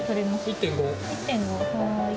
１．５。